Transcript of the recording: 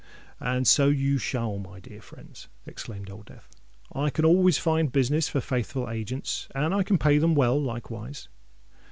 "And so you shall, my dear friends," exclaimed Old Death. "I can always find business for faithful agents—and I can pay them well likewise."